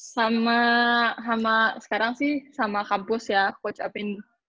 sama sama sekarang sih sama kampus ya coach upin